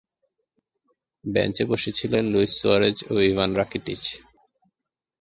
বেঞ্চে বসেছিলেন Luis Suarez ও ইভান রাকিটিচ।